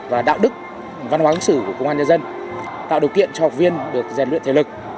và đạo đức văn hóa ứng xử của công an nhân dân tạo điều kiện cho học viên được rèn luyện thể lực